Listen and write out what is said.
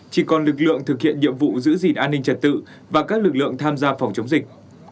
chỉ còn lực lượng thực hiện nhiệm vụ giữ gìn an ninh trật tự và các lực lượng tham gia phòng chống dịch